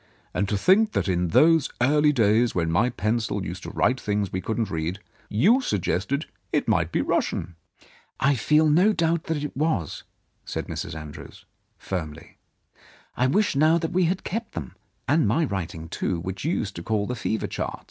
And to think that in those early days, when my pencil used to write things we couldn't read, you suggested it might be Russian !"" I feel no doubt that it was," said Mrs. Andrews firmly. "I wish now that we had kept them, and my writing, too, which you used to call the fever charts.